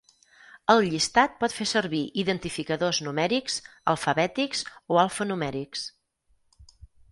El llistat pot fer servir identificadors numèrics, alfabètics o alfa-numèrics.